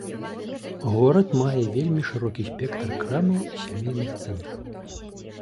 Горад мае вельмі шырокі спектр крамаў і сямейных цэнтраў.